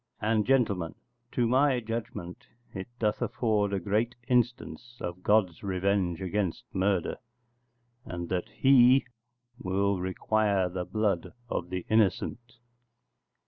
And, gentlemen, to my judgement it doth afford a great instance of God's revenge against murder, and that He will require the blood of the innocent.